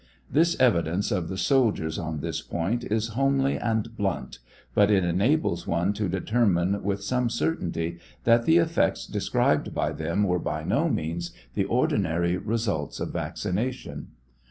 This evidence of the soldiers on this point is homely and blunt, but it ena bles one to determine with some certainty that the efiects described by them were by no means the ordinary results of vaccination.